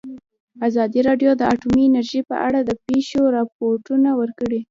ازادي راډیو د اټومي انرژي په اړه د پېښو رپوټونه ورکړي.